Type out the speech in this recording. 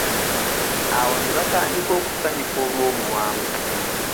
Awo ne batandika okusanyuka olw'obuwanguzi.